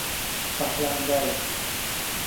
پخلنځی